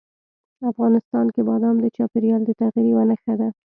افغانستان کې بادام د چاپېریال د تغیر یوه نښه ده.